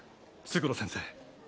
勝呂先生。